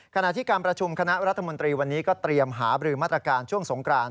ขณะที่การประชุมคณะรัฐมนตรีวันนี้ก็เตรียมหาบรือมาตรการช่วงสงกราน